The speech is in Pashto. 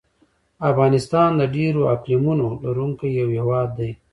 افغانستان د ډېرو اقلیمونو لرونکی یو هېواد دی.